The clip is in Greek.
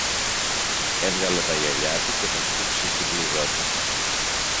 Έβγαλε τα γυαλιά του και τα σκούπισε τη μπλούζα του